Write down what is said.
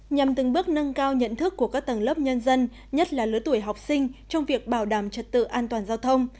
nhằm từng bước nâng cao nhận thức của các tầng lớp nhân dân nhất là lứa tuổi học sinh trong việc bảo đảm trật tự an toàn giao thông